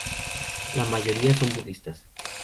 La mayoría son budistas.